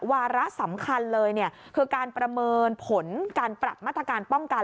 วาระสำคัญเลยคือการประเมินผลการปรับมาตรการป้องกัน